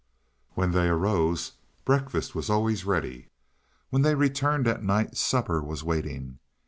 When they arose breakfast was always ready. When they returned at night supper was waiting.